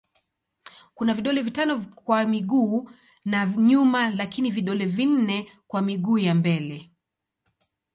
Kuna vidole vitano kwa miguu ya nyuma lakini vidole vinne kwa miguu ya mbele.